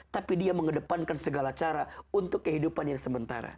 tapi dia mengedepankan segala cara untuk kehidupan yang sementara